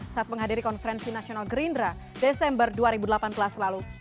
saat menghadiri konferensi nasional gerindra desember dua ribu delapan belas lalu